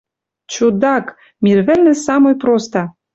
«Чудак! Мир вӹлнӹ самой проста.